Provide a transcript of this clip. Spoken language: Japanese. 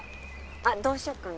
あッどうしよっかな